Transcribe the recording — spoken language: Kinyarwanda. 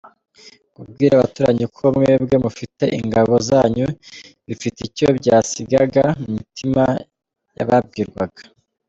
Kubwira abaturanyi ko mwebwe mufite ingabo zanyu bifite icyo byasigaga mu mitima y’ababwirwaga.